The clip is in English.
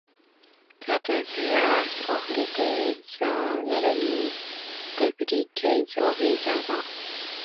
The two pairs of deities are merely duplicates of each other.